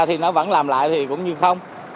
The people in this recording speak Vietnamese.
thì nó vẫn làm lại thì cũng như không